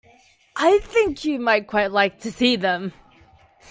I think you might quite like to see them.